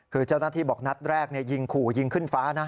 คือเจ้าหน้าที่บอกนัดแรกยิงขู่ยิงขึ้นฟ้านะ